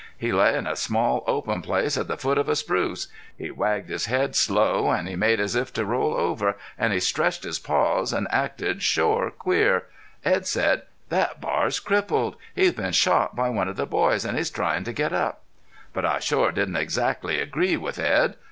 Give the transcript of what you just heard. He lay in a small open place at the foot of a spruce. He wagged his head slow an' he made as if to roll over, an' he stretched his paws, an' acted shore queer. Edd said: 'Thet bar's crippled. He's been shot by one of the boys, an' he's tryin' to get up.' But I shore didn't exactly agree with Edd.